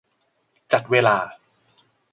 จัดเวลา